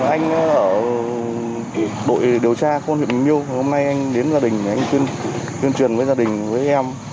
anh ở đội điều tra khuôn huyện bình liêu hôm nay anh đến gia đình anh tuyên truyền với gia đình với em